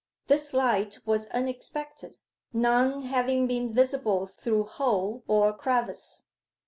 This light was unexpected, none having been visible through hole or crevice.